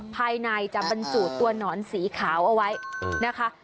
ภายในจะบรรจุตัวหนอนสีขาวเอาไว้นะคะ